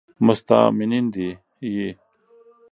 د اسلامي دولت وګړي مستامنین يي.